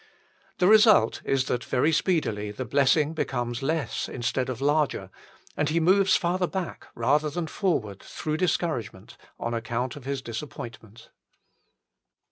The result is that very speedily the blessing becomes less instead of larger, and he moves farther back rather than forward through discouragement on account of his disappoint ment.